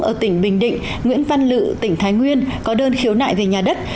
ở tỉnh bình định nguyễn văn lự tỉnh thái nguyên có đơn khiếu nại về nhà đất